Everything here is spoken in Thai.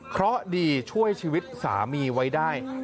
เพราะดีช่วยชีวิตสามีไว้ได้